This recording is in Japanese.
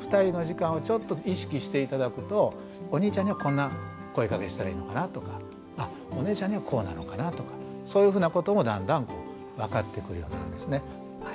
２人の時間をちょっと意識して頂くとお兄ちゃんにはこんな声かけしたらいいのかなとかお姉ちゃんにはこうなのかなとかそういうふうなこともだんだん分かってくるようになるんですね。